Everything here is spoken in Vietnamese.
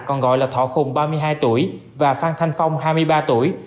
còn gọi là thọ hùng ba mươi hai tuổi và phan thanh phong hai mươi ba tuổi